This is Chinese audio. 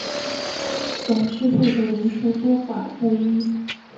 董事会的人数多寡不一。